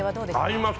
合います。